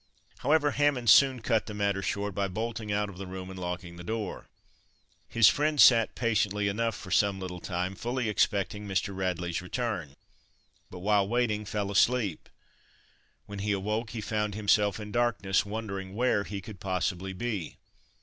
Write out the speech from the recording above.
However, Hammond soon cut the matter short by bolting out of the room and locking the door. His friend sat patiently enough for some little time, fully expecting Mr. Radley's return, but, while waiting, fell asleep. When he awoke he found himself in darkness, wondering where he could possibly be.